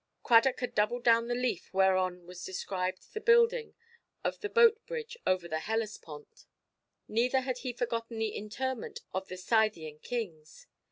Cradock had doubled down the leaf whereon was described the building of the boat–bridge over the Hellespont. Neither had he forgotten the interment of the Scythian kings.